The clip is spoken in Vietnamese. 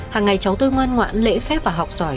hàng ngày cháu tôi ngoan ngoãn lễ phép và học giỏi